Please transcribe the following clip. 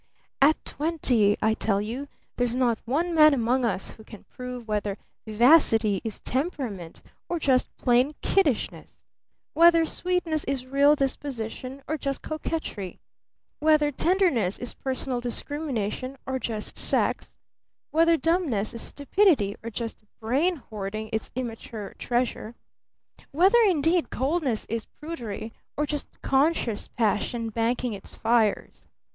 At twenty, I tell you, there's not one man among us who can prove whether vivacity is temperament or just plain kiddishness; whether sweetness is real disposition or just coquetry; whether tenderness is personal discrimination or just sex; whether dumbness is stupidity or just brain hoarding its immature treasure; whether indeed coldness is prudery or just conscious passion banking its fires!